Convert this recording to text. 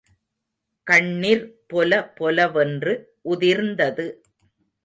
கண்ணிர் பொலபொலவென்று உதிர்ந்தது.